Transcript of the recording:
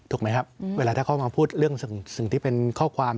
ถ้าเขามาพูดเรื่องสิ่งที่เป็นข้อความ